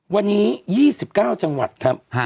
ตั้ง๒๙จังหวัดครับ